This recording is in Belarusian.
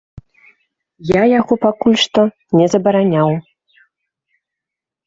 Я яго пакуль што не забараняў.